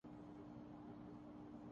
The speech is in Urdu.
بیوروکریٹس میں تنا اٹو سیکٹر تذبذب کا شکار